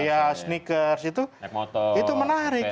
iya sneakers itu menarik